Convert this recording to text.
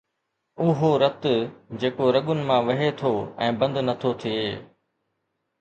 اهو رت جيڪو رڳن مان وهي ٿو ۽ بند نٿو ٿئي